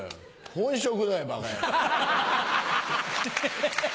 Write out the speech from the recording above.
本職だよバカ野郎。